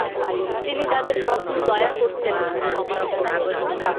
তিনি তাদের কখনও দয়া করতেন না।